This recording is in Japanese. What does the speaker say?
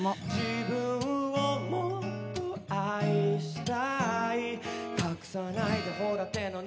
「自分をもっと愛したい」「隠さないでほら手の鳴る方へ」